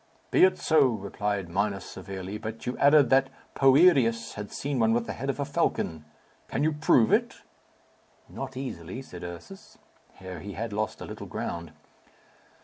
"Be it so," replied Minos severely; "but you added that Poerius had seen one with the head of a falcon. Can you prove it?" "Not easily," said Ursus. Here he had lost a little ground.